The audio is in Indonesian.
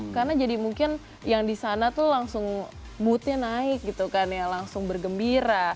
karena jadi mungkin yang di sana tuh langsung moodnya naik gitu kan ya langsung bergembira